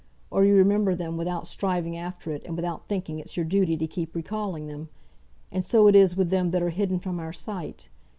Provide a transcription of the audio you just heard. Or you remember them, without striving after it, and without thinking it's your duty to keep recalling them. And so it is with them that are hidden from our sight.